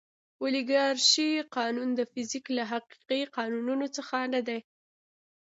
اولیګارشي قانون د فزیک له حقیقي قوانینو څخه نه دی.